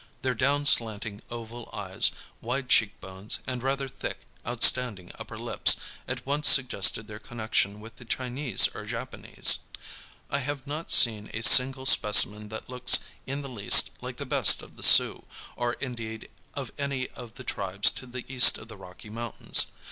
Their down slanting oval eyes, wide cheek bones, and rather thick, outstanding upper lips at once suggest their connection with the Chinese or Japanese. I have not seen a single specimen that looks in the least like the best of the Sioux, or indeed of any of the tribes to the east of the Rocky Mountains.